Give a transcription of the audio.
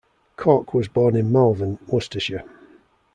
Corke was born in Malvern, Worcestershire.